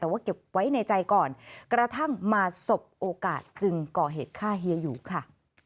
แต่ว่าเก็บไว้ในใจก่อนกระทั่งมาสบโอกาสจึงก่อเหตุฆ่าเฮียหยูค่ะ